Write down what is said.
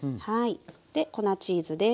で粉チーズです。